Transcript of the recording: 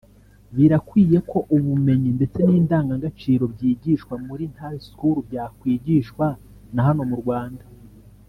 Birakwiye ko ubumenyi ndetse n’indangagaciro byigishwa muri Ntare School byakwigishwa na hano mu Rwanda